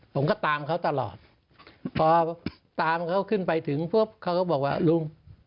ผมก็ตามเขาตลอดพอตามเขาขึ้นไปถึงปุ๊บเขาก็บอกว่าลุง